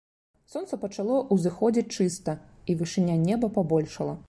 Сонца пачало ўзыходзіць чыста, і вышыня неба пабольшала.